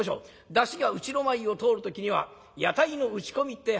山車がうちの前を通る時には屋台の打ち込みってえ囃子になる。